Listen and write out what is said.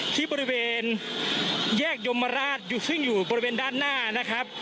ที่บริเวณแยกยมราชอยู่ซึ่งอยู่บริเวณด้านหน้านะครับ